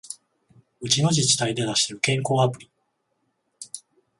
うちの自治体で出してる健康アプリ